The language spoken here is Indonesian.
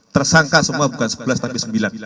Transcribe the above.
tersangka semua bukan sebelas tapi sembilan